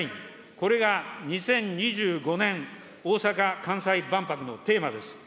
これが２０２５年大阪・関西万博のテーマです。